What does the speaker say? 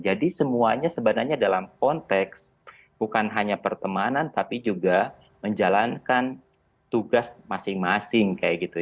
jadi semuanya sebenarnya dalam konteks bukan hanya pertemanan tapi juga menjalankan tugas masing masing kayak gitu